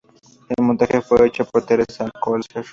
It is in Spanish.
El montaje fue hecho por Teresa Alcocer.